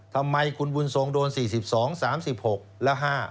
ทำไมคุณบุญทรงโดน๔๒๓๖และ๕